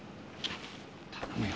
頼むよ。